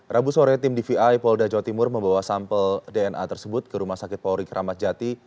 rabu sore tim dvi polda jawa timur membawa sampel dna tersebut ke rumah sakit polri keramat jati